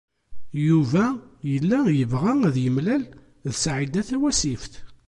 Yuba yella yebɣa ad yemlal d Saɛida Tawasift.